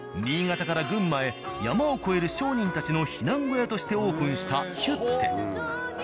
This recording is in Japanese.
新潟から群馬へ山を越える商人たちの避難小屋としてオープンしたヒュッテ。